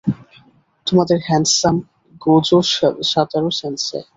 তোমাদের handsome, Gojo Satoru সেনসেই!